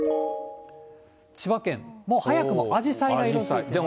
千葉県、もう早くもアジサイが色づいてます。